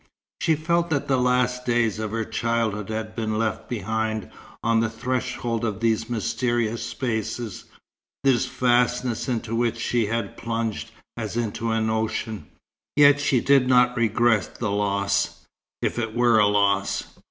She felt that the last days of her childhood had been left behind, on the threshold of these mysterious spaces, this vastness into which she had plunged, as into an ocean. Yet she did not regret the loss, if it were a loss.